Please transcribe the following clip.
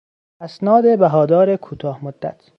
اسناد بهادار کوتاه مدت